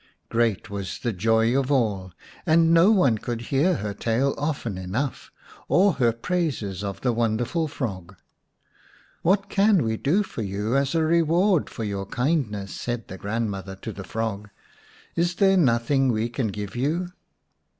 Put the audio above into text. Great was the joy of all, and no one could hear her tale often enough, or her praises of the wonderful frog. " What can we do for you as a reward for your kindness ?" said the grandmother to the frog. "Is there nothing we can give you?